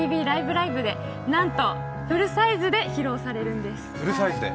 ライブ！」でなんとフルサイズで披露されるんです。